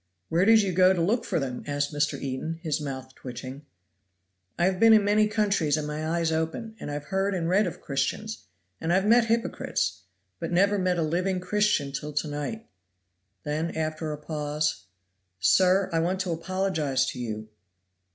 "Where did you go to look for them?" asked Mr. Eden, his mouth twitching. "I have been in many countries, and my eyes open; and I've heard and read of Christians, and I've met hypocrites; but never met a living Christian till to night." Then, after a pause, "Sir, I want to apologize to you!"